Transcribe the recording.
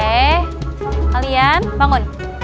eh kalian bangun